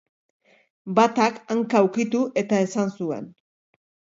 Batak, hanka ukitu eta esan zuen.